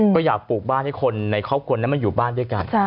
ก็อยากปลูกบ้านให้คนในครอบครัวนั้นมาอยู่บ้านด้วยกัน